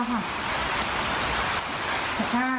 สภาพใครบ้าน